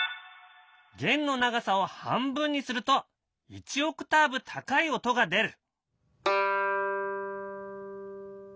弦の長さを半分にすると１オクターブ高い音が出る。